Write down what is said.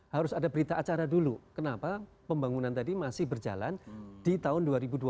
harus ada berita acara dulu kenapa pembangunan tadi masih berjalan di tahun dua ribu dua puluh